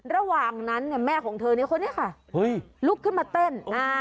ระหว่างนั้นนะแม่ของเธอคนนี้ค่ะลุกขึ้นมาเต้น